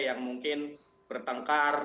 yang mungkin bertengkar